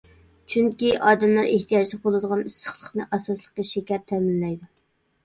چۈنكى، ئادەملەر ئېھتىياجلىق بولىدىغان ئىسسىقلىقنى ئاساسلىقى شېكەر تەمىنلەيدۇ.